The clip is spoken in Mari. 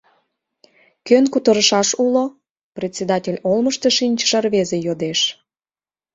Кӧн кутырышаш уло? — председатель олмышто шинчыше рвезе йодеш.